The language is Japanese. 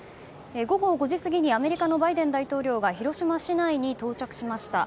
午後５時過ぎにアメリカのバイデン大統領が広島市内に到着しました。